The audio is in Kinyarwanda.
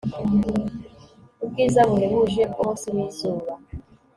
Ubwiza buhebuje bwumunsi wizuba